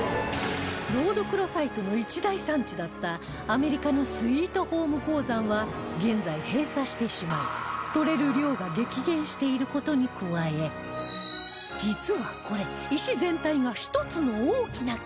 ロードクロサイトの一大産地だったアメリカのスイートホーム鉱山は現在閉鎖してしまい採れる量が激減している事に加え実はこれ石全体が１つの大きな結晶